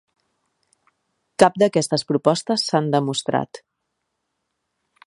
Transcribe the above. Cap d'aquestes propostes s'han demostrat.